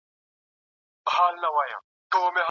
خلګ په رسنيو کي د جرګي بهير ګوري.